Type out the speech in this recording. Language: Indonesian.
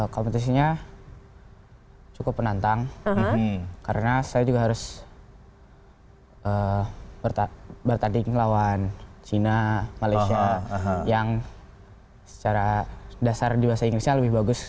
kompetisinya cukup menantang karena saya juga harus bertanding lawan cina malaysia yang secara dasar di bahasa inggrisnya lebih bagus